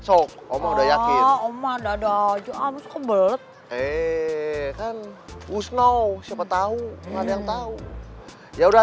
om udah yakin om ada aja ambrose kebelet eh kan usno siapa tahu ada yang tahu ya udah